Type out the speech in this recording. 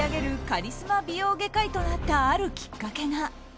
カリスマ美容外科医となったあるきっかけが。